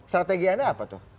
strategi anda apa tuh